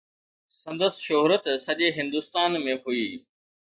سندس شهرت سڄي هندستان ۾ هئي.